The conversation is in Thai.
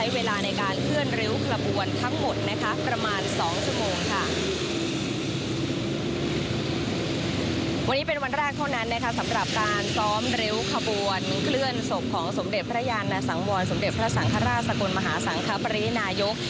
วันนี้เป็นวันแรกเท่านั้นสำหรับการซ้อมริ้วขบวนเคลื่อนศพของสมเด็จพระยานสังวรสมเด็จพระสังฆราชสกลมหาสังคปรินายก